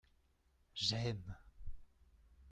J’aime.